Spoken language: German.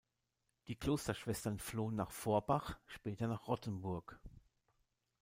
Die Klosterschwestern flohen nach Forbach, später nach Rottenburg.